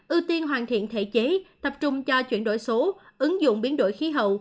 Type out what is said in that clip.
ưu tiên hoàn thiện thể chế tập trung cho chuyển đổi số ứng dụng biến đổi khí hậu